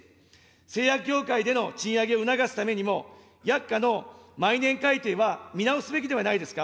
製薬業界での賃上げを促すためにも、薬価の毎年改定は見直すべきではないですか。